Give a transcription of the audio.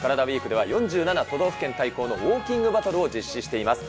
ＷＥＥＫでは、４７都道府県対抗のウォーキングバトルを実施しています。